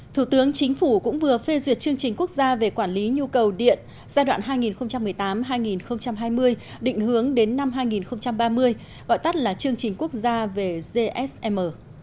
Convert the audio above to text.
thủ tướng chính phủ cũng vừa phê duyệt chương trình quốc gia về quản lý nhu cầu điện giai đoạn hai nghìn một mươi tám hai nghìn hai mươi định hướng đến năm hai nghìn ba mươi gọi tắt là chương trình quốc gia về gsm